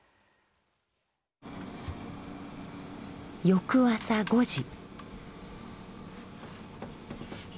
翌朝５時。